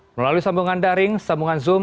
melalui sambungan daring sambungan zoom